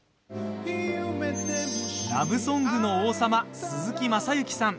ラブソングの王様鈴木雅之さん。